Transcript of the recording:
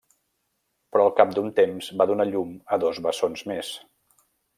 Però al cap d'un temps va donar a llum dos bessons més.